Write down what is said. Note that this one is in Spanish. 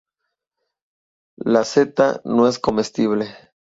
La seta no es comestible.